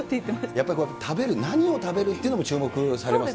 やっぱり食べる、何を食べるっていうのも注目されますね。